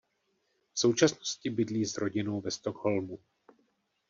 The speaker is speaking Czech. V současnosti bydlí s rodinou ve Stockholmu.